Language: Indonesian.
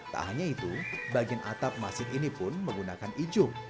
tak hanya itu bagian atap masjid ini pun menggunakan ijuk